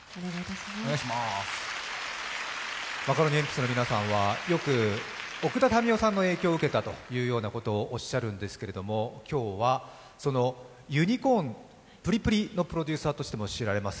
マカロニえんぴつの皆さんはよく、奥田民生さんの影響を受けたとおっしゃるんですけれども今日はユニコーン、プリプリのプロデューサーでもあります